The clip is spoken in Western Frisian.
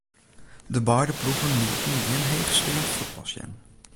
De beide ploegen lieten gjin heechsteand fuotbal sjen.